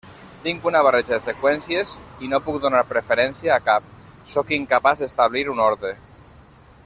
Tinc una barreja de seqüències i no puc donar preferència a cap, sóc incapaç d'establir un ordre.